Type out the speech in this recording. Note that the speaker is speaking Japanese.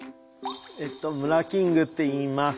えっとムラキングっていいます。